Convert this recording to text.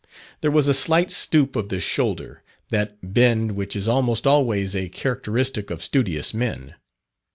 There was a slight stoop of the shoulder that bend which is almost always a characteristic of studious men.